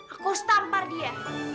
aku harus tampar dia